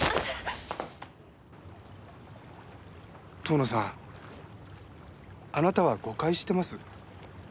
遠野さんあなたは誤解してます。